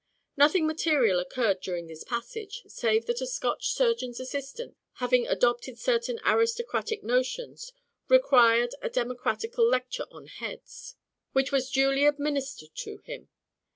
Nothing material occurred during the passage, save that a Scotch surgeon's assistant, having adopted certain aristocratic notions, required a democratical lecture on heads, which was duly administered to him.